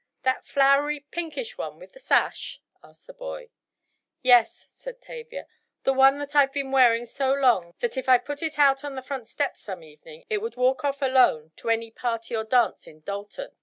"That flowery, pinkish one, with the sash?" asked the boy. "Yes," said Tavia, "the one that I've been wearing so long that if I put it out on the front steps some evening, it would walk off alone to any party or dance in Dalton."